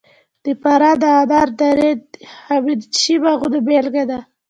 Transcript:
د فراه د انار درې د هخامنشي باغونو بېلګه ده